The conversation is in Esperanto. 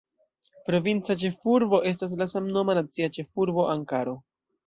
Provinca ĉefurbo estas la samnoma nacia ĉefurbo Ankaro.